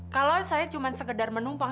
kalau saya cuma sekedar menumpang